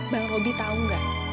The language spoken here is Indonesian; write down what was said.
bang robby tau gak